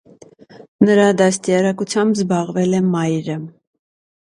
Նրա դաստիարակութամբ զբաղվել է մայրը։